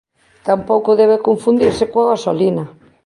Tampouco debe confundirse coa gasolina.